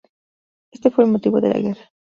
Este fue el motivo de la guerra.